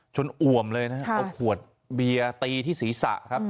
อ่วมเลยนะครับเอาขวดเบียร์ตีที่ศีรษะครับ